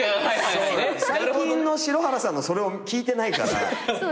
最近の篠原さんのそれを聞いてないからちょっと。